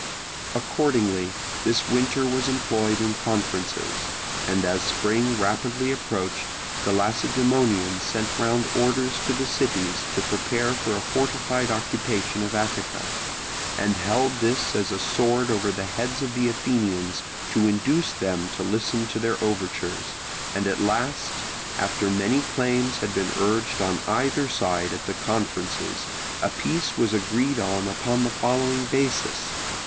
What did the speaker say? Accordingly this winter was employed in conferences; and as spring rapidly approached, the Lacedaemonians sent round orders to the cities to prepare for a fortified occupation of Attica, and held this as a sword over the heads of the Athenians to induce them to listen to their overtures; and at last, after many claims had been urged on either side at the conferences a peace was agreed on upon the following basis.